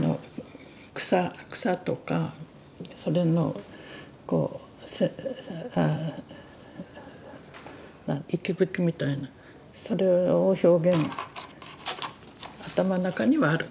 草とかそれのこう息吹みたいなそれを表現頭の中にはある。